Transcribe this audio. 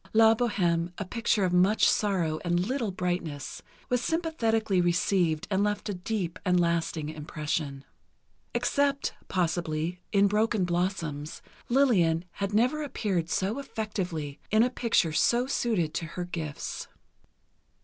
"La Bohême," a picture of much sorrow and little brightness, was sympathetically received and left a deep and lasting impression. Except, possibly, in "Broken Blossoms," Lillian had never appeared so effectively—in a picture so suited to her gifts.